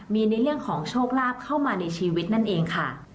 มีในเรื่องของโชคลาภเข้ามาในชีวิตนั่นเองค่ะ